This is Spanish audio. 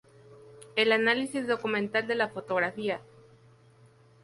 E"l análisis documental de la fotografía".